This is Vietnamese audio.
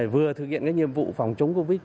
vừa thực hiện nhiệm vụ phòng chống covid